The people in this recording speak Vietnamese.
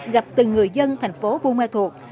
gặp từng người dân thành phố bu ma thuộc